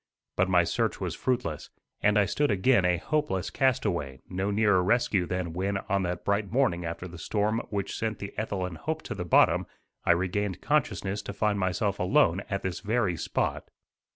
But my search was fruitless, and I stood again a hopeless castaway, no nearer rescue than when, on that bright morning after the storm which sent the Ethelyn Hope to the bottom, I regained consciousness to find myself alone at this very spot.